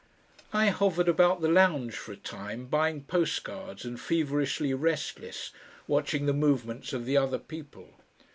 I hovered about the lounge for a time buying postcards and feverishly restless, watching the movements of the other people.